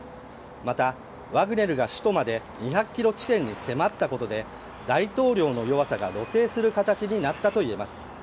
また、ワグネルが首都まで２００ｋｍ地点に迫ったことで、大統領の弱さが露呈する形になったといえます。